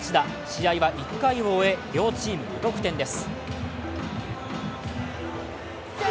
試合は１回を終え両チーム無得点です。